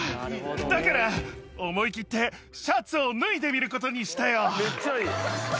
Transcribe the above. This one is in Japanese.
だから、思い切ってシャツを脱いでみることにしたよ。